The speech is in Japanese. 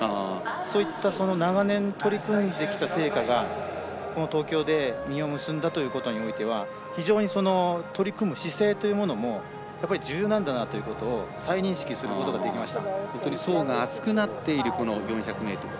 そういった長年、取り組んできた成果がこの東京で実を結んだということにおいては非常に取り組む姿勢というものも重要なんだなということを再認識することができました。